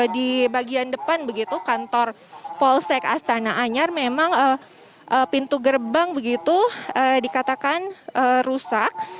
di bagian depan begitu kantor polsek astana anyar memang pintu gerbang begitu dikatakan rusak